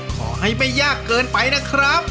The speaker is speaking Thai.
ขอให้ไม่ยากเกินไปนะครับ